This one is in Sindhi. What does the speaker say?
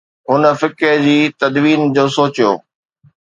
هن فقه جي تدوين جو سوچيو.